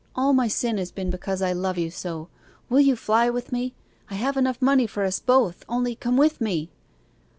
All my sin has been because I love you so! Will you fly with me? I have money enough for us both only come with me.